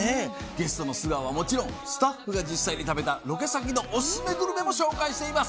ゲストの素顔はもちろんスタッフが実際に食べたロケ先のオススメグルメも紹介しています。